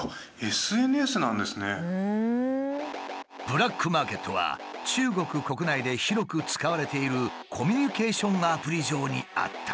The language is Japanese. ブラックマーケットは中国国内で広く使われているコミュニケーションアプリ上にあった。